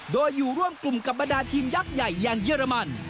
โดยอยู่ร่วมกลุ่มกับบรรดาทีมยักษ์ใหญ่อย่างเยอรมัน